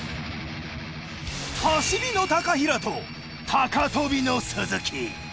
「走りの平」と「高跳びの鈴木」。